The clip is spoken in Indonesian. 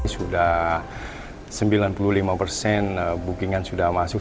sudah sembilan puluh lima persen bookingan sudah masuk